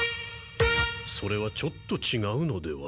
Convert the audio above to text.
それはちょっとちがうのでは。